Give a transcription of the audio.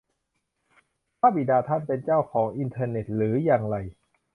พระบิดาท่านเป็นเจ้าของอินเทอร์เน็ตหรืออย่างไร ?